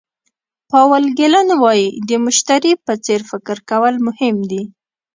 پاول ګیلن وایي د مشتري په څېر فکر کول مهم دي.